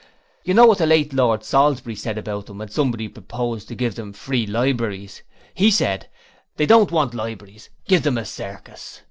You know what the late Lord Salisbury said about them when somebody proposed to give them some free libraries: He said: "They don't want libraries: give them a circus."